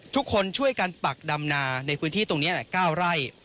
ทุกคนช่วยกันปักดำนาในพื้นที่ตรงนี้๙ไร่